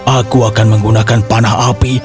aku akan menggunakan panah api